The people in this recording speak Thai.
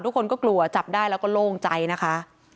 ทุกคนก็กลัวจับได้แล้วก็โล่งใจนะคะ